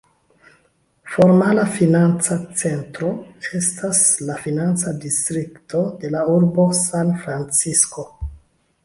Formala financa centro estas la financa distrikto de la urbo San-Francisko.